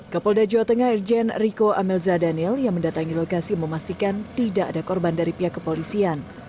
kapolda jawa tengah irjen riko amelza daniel yang mendatangi lokasi memastikan tidak ada korban dari pihak kepolisian